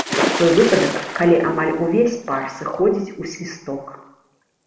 Той выпадак, калі амаль увесь пар сыходзіць ў свісток.